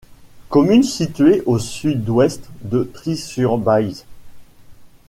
Commune située au sud-ouest de Trie-sur-Baïse.